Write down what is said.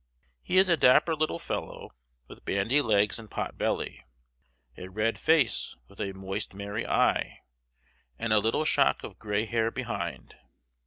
He is a dapper little fellow, with bandy legs and pot belly, a red face with a moist merry eye, and a little shock of gray hair behind.